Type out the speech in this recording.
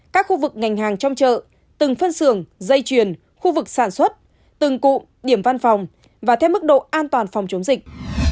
các khu vực ngành hàng trong chợ từng phân xưởng dây chuyền khu vực sản xuất từng cụm điểm văn phòng và theo mức độ an toàn phòng chống dịch